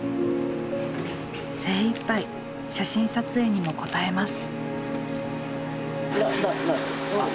精いっぱい写真撮影にも応えます。